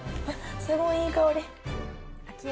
すごいいい香り。